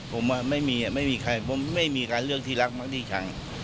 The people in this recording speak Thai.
ผมว่าไม่มีไม่มีใครไม่มีการเลือกที่รักมากดีจัง